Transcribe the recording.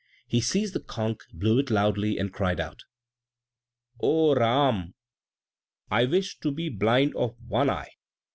He seized the conch, blew it loudly, and cried out, "Oh, Ram! I wish to be blind of one eye!"